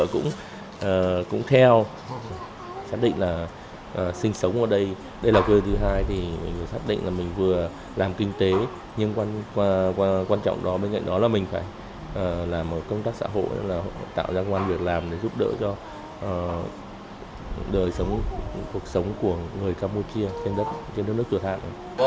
cũng theo xác định là sinh sống ở đây đây là quê thứ hai thì mình xác định là mình vừa làm kinh tế nhưng quan trọng đó bên cạnh đó là mình phải làm công tác xã hội tạo ra quan việc làm để giúp đỡ cho đời sống cuộc sống của người campuchia trên đất trên đất nước cửa thạc